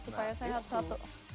supaya sehat satu